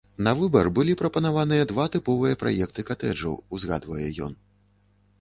На выбар былі прапанаваныя два тыповыя праекты катэджаў, узгадвае ён.